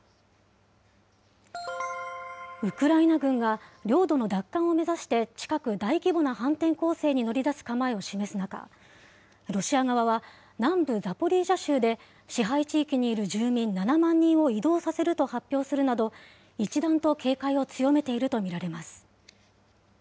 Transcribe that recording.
ウクライの軍が領土の奪還を目指して、近く大規模な反転攻勢に乗り出す構えを示す中、ロシア側は南部ザポリージャ州で支配地域にいる住民７万人を移動させると発表するなど、一段と警戒を強めていると見られます。